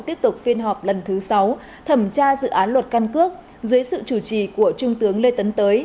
tiếp tục phiên họp lần thứ sáu thẩm tra dự án luật căn cước dưới sự chủ trì của trung tướng lê tấn tới